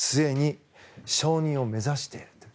９月末に承認を目指している。